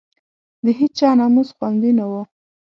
د هېچا ناموس خوندي نه وو.